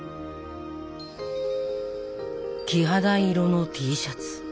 黄蘗色のＴシャツ。